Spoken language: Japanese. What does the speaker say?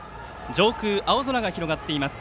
上空青空が広がっています。